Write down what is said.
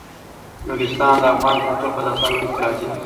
نورستان د افغان کلتور په داستانونو کې راځي.